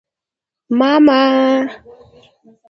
_ما، ما